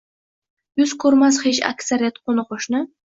Yuz koʼrmas hech aksariyat qoʼni-qoʼshni.